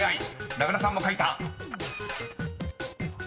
名倉さんも書いた］